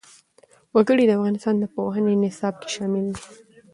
وګړي د افغانستان د پوهنې نصاب کې شامل دي.